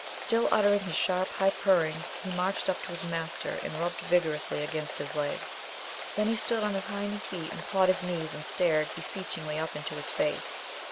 Still uttering his sharp high purrings he marched up to his master and rubbed vigorously against his legs. Then he stood on his hind feet and pawed his knees and stared beseechingly up into his face.